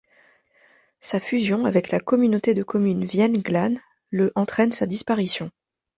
Sa fusion avec la communauté de communes Vienne-Glane le entraîne sa disparition.